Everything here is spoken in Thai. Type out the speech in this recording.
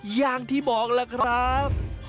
อย่างที่บอกล่ะครับ